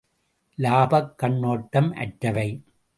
இலாபக் கண்ணொட்டம் அற்றவை.